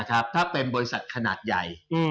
ถ้าเป็นบริษัทขนาดใหญ่